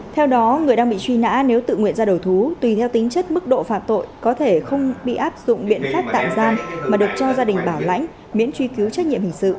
theo đó người đang bị truy nã nếu tự nguyện ra đầu thú tùy theo tính chất mức độ phạm tội có thể không bị áp dụng biện pháp tạm gian mà được cho gia đình bảo lãnh